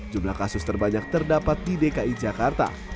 jumlah kasus terbanyak terdapat di dki jakarta